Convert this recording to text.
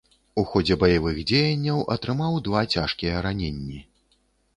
У ходзе баявых дзеянняў атрымаў два цяжкія раненні.